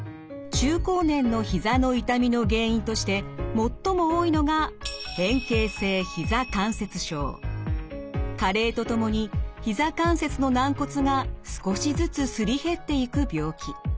中高年のひざの痛みの原因として最も多いのが加齢とともにひざ関節の軟骨が少しずつすり減っていく病気。